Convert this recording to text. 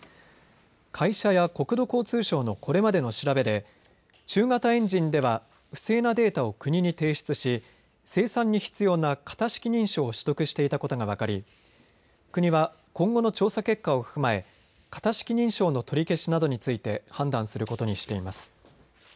会社や国土交通省のこれまでの調べで中型エンジンでは不正なデータを国に提出し、生産に必要な型式認証を取得していたことが分かり、国は今後の調査結果を踏まえ型式認証の取り消しなどについて判断することにしています。